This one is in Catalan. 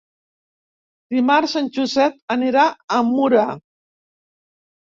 Dimarts en Josep anirà a Mura.